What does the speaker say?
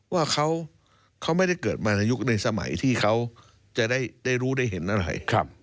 ว่าเขาไม่ได้เกิดมาในยุคในสมัยที่เขาจะได้รู้ได้เห็นอะไร